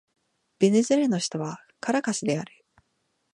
ベネズエラの首都はカラカスである